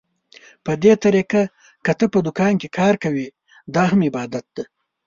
په دې طريقه که ته په دوکان کې کار کوې، دا هم عبادت دى.